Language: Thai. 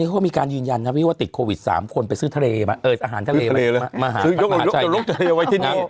โอ้โหมีข่าวลือว่ากระจายก็มา